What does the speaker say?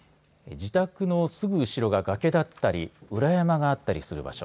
自宅のすぐ後ろが崖だったり裏山があったりする場所。